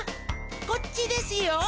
こっちですよ。